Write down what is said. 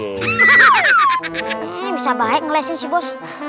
ini bisa baik ngelesin sih bos